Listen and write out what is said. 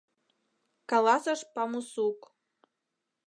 — каласыш памусук.